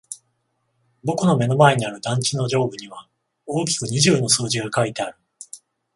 僕の目の前にある団地の上部には大きく二十の数字が書いてある。